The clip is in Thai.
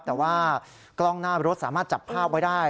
แต่ว่ากล้องหน้ารถสามารถจับภาพไว้ได้